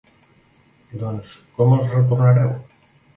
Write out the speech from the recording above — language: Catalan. Doncs com els retornareu?